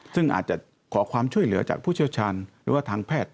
ซึ่งอาจจะขอความช่วยเหลือจากผู้เชี่ยวชาญหรือว่าทางแพทย์